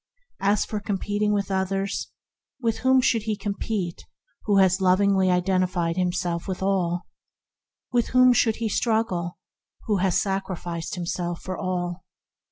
As for competing with others, AT REST IN THE KINGDOM 71 with whom should he compete who has lov ingly identified himself with all ? With whom should he struggle who has sacrificed him self for all